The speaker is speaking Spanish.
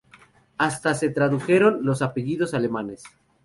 Hasta se tradujeron los apellidos alemanes.